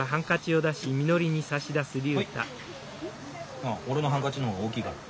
ああ俺のハンカチの方が大きいから。